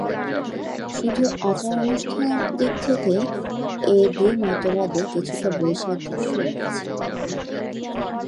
শুধু আচার-অনুষ্ঠানের দিক থেকে এ দুই মতবাদে কিছুটা বৈসাদৃশ্য রয়েছে।